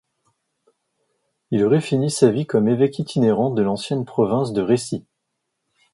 Il aurait fini sa vie comme évêque itinérant de l'ancienne province de Rhétie.